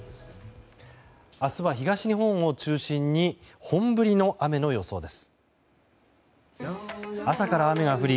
明日は東日本を中心に本降りの雨の予想です。